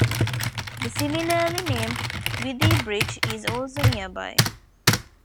The similarly named Withybridge is also nearby.